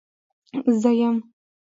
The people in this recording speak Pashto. زه يم.